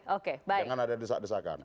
jangan ada desak desakan